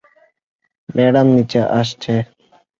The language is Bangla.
ম্যাডাম নিচে আসছেন।